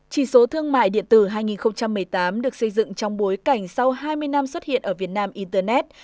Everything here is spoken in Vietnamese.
chỉ số thương mại điện tử hai nghìn một mươi tám được xây dựng trong bối cảnh sau hai mươi năm xuất hiện ở việt nam internet